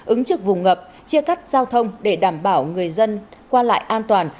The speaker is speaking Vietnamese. ứng trực vùng ngập chia cắt giao thông để đảm bảo người dân qua lại an toàn